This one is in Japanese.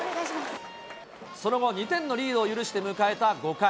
その後２点のリードを許して迎えた５回。